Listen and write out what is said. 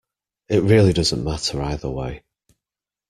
It really doesn't matter either way.